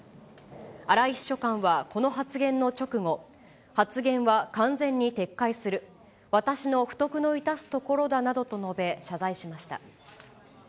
荒井秘書官はこの発言の直後、発言は完全に撤回する、私の不徳の致すところだなどと述べ、謝罪しました。